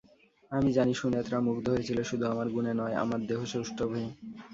আমি জানি, সুনেত্রা মুগ্ধ হয়েছিল শুধু আমার গুণে নয়, আমার দেহসৌষ্ঠবে।